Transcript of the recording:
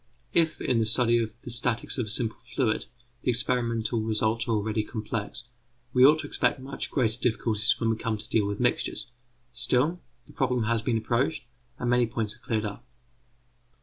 ] If in the study of the statics of a simple fluid the experimental results are already complex, we ought to expect much greater difficulties when we come to deal with mixtures; still the problem has been approached, and many points are already cleared up.